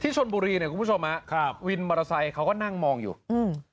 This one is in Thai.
เท่าของชนบุรีเนี้ยคุณผู้ชมมั้ยครับวินบริษัทเขาก็นั่งมองอยู่อืม